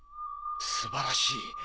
すばらしい！